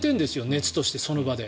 熱としてその場で。